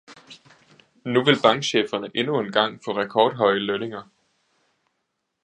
Nu vil bankcheferne endnu en gang få rekordhøje lønninger.